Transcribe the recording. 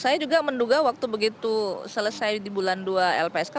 saya juga menduga waktu begitu selesai di bulan dua lpsk